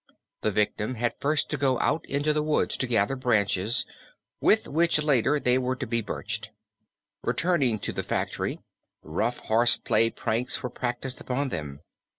The victims had first to go out into the woods to gather the branches with which later they were to be birched. Returned to the factory, rough horse play pranks were practised upon them.